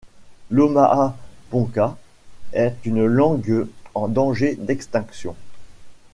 L'omaha-ponca est une langue en danger d'extinction.